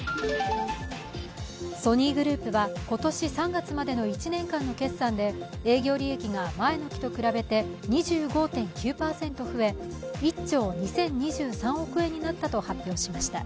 ソニーグループは今年３月までの１年間の決算で営業利益が前の期と比べて、２５．９％増え１兆２０２３億円になったと発表しました。